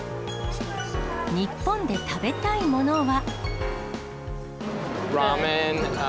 日本で食べたいものは。